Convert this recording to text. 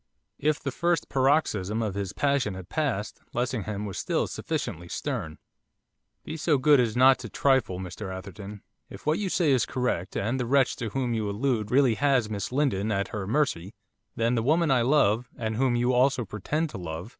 If the first paroxysm of his passion had passed, Lessingham was still sufficiently stern. 'Be so good as not to trifle, Mr Atherton. If what you say is correct, and the wretch to whom you allude really has Miss Lindon at her mercy, then the woman I love and whom you also pretend to love!